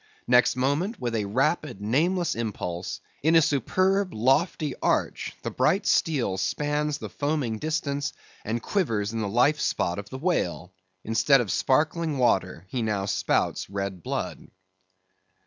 Next moment with a rapid, nameless impulse, in a superb lofty arch the bright steel spans the foaming distance, and quivers in the life spot of the whale. Instead of sparkling water, he now spouts red blood.